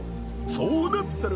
そうなったら。